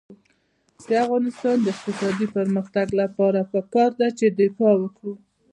د افغانستان د اقتصادي پرمختګ لپاره پکار ده چې دفاع وکړو.